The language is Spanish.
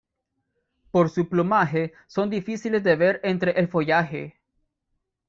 Por su plumaje son difíciles de ver entre el follaje.